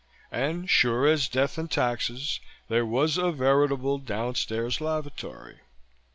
And sure as death and taxes, there was a veritable downstairs lavatory.